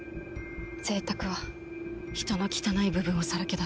贅沢は人の汚い部分をさらけ出す。